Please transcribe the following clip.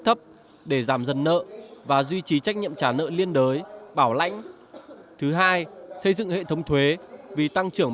hãy điều chỉnh mức tiền lương trước vào tháng tám